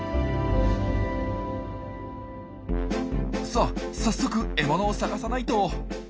さあ早速獲物を探さないと。